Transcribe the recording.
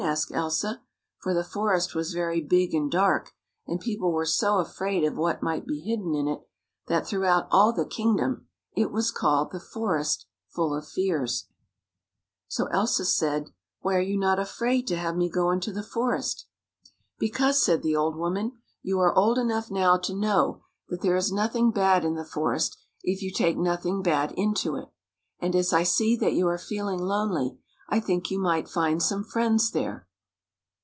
said Elsa, for the forest was very big and dark, and people were so afraid of what might be hidden in it, that throughout all the kingdom it was called the Forest Full of Fears, 94 THE FOREST FULL OF FRIENDS So Elsa said: " Why are you not afraid to have me go into the forest? "" Because," said the old woman, " you are old enough now to know that there is nothing bad in. the forest, if you take nothing bad into it. And as I see that you are feeling lonely, I think you might find some friends there."